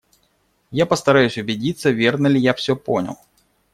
Я постараюсь убедиться, верно ли я все понял.